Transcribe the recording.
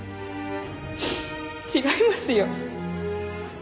違いますよ。